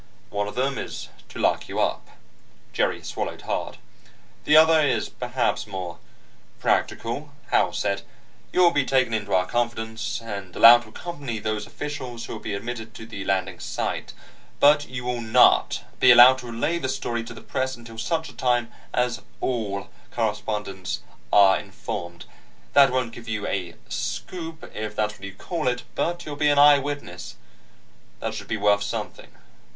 One of them is to lock you up." Jerry swallowed hard. "The other is perhaps more practical," Howells said. "You'll be taken into our confidence, and allowed to accompany those officials who will be admitted to the landing site. But you will not be allowed to relay the story to the press until such a time as all correspondents are informed. That won't give you a 'scoop' if that's what you call it, but you'll be an eyewitness. That should be worth something."